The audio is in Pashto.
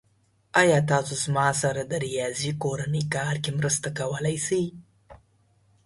ایا تاسو زما سره زما د ریاضی کورنی کار کې مرسته کولی شئ؟